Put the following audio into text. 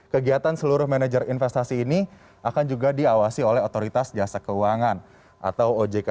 kegiatan seluruh manajer investasi ini akan juga diawasi oleh otoritas jasa keuangan atau ojk